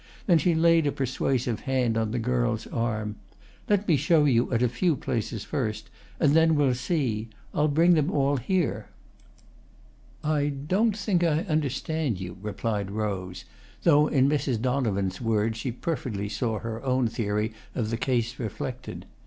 Then she laid a persuasive hand on the girl's arm. "Let me show you at a few places first, and then we'll see. I'll bring them all here." "I don't think I understand you," replied Rose, though in Mrs. Donovan's words she perfectly saw her own theory of the case reflected.